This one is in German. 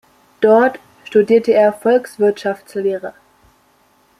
Dort studierte er Volkswirtschaftslehre.